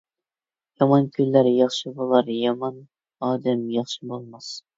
يامان كۈنلەر ياخشى بولار، يامان ئادەم ياخشى بولماس.